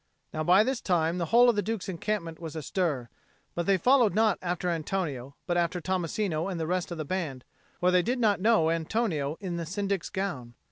Now by this time the whole of the Duke's encampment was astir; but they followed not after Antonio, but after Tommasino and the rest of the band; for they did not know Antonio in the Syndic's gown.